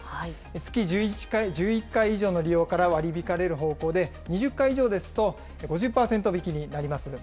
月１１回以上の利用から割り引かれる方向で、２０回以上ですと、５０％引きになります。